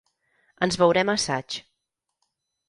Ens veurem a assaig.